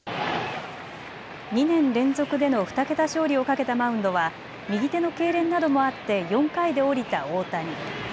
２年連続での２桁勝利をかけたマウンドは右手のけいれんなどもあって４回で降りた大谷。